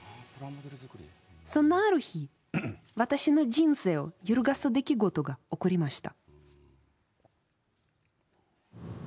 そんなある日、私の人生を揺るがす出来事が起こりました。